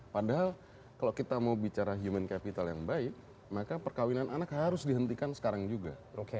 padahal kalau kita mau bicara human capital yang baik maka perkawinan anak harus dihentikan sekarang juga